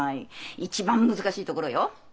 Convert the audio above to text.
一番難しいところよ。